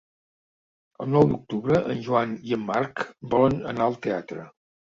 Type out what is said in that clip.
El nou d'octubre en Joan i en Marc volen anar al teatre.